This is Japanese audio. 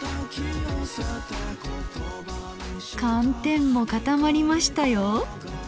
寒天も固まりましたよ。